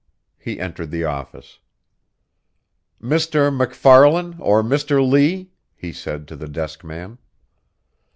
He entered the office. "Mr. MacFarlan or Mr. Lee," he said to the desk man.